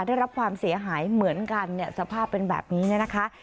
ได้รับความเสียหายเหมือนกันสภาพเป็นแบบนี้นะคะ